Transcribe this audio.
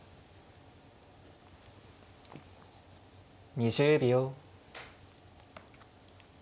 ２０秒。